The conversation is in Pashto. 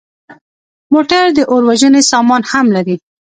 موټر د اور وژنې سامان هم لري.